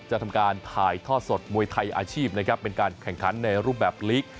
จะทำการถ่ายทอดสดมวยไทยอาชีพนะครับเป็นการแข่งขันในรูปแบบลีก